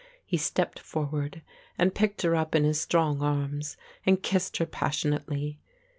He stepped forward and picked her up in his strong arms and kissed her passionately.